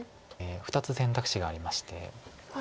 ２つ選択肢がありまして。